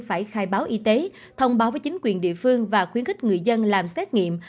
phải khai báo y tế thông báo với chính quyền địa phương và khuyến khích người dân làm xét nghiệm